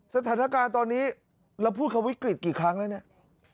สถานการณ์ตอนนี้เราพูดคำวิกฤตกี่ครั้งแล้วเนี่ย